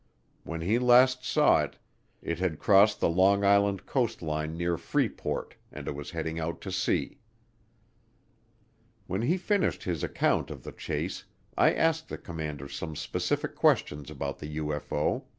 When he last saw it, it had crossed the Long Island coast line near Freeport and it was heading out to sea. When he finished his account of the chase, I asked the commander some specific questions about the UFO.